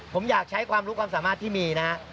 ผมอยากใช้ความรู้ความสามารถที่มีนะฮะ